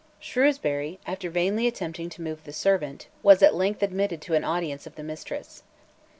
Shrewsbury, after vainly attempting to move the servant, was at length admitted to an audience of the mistress.